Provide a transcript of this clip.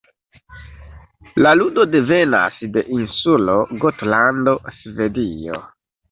La ludo devenas de insulo Gotlando, Svedio.